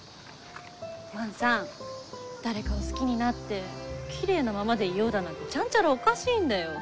万さん誰かを好きになってきれいなままでいようだなんてちゃんちゃらおかしいんだよ。